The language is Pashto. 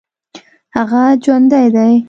هغه جوندى دى.